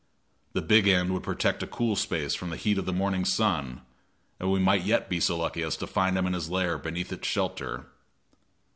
The big end would protect a cool space from the heat of the morning sun, and we might yet be so lucky as to find him in his lair beneath its shelter.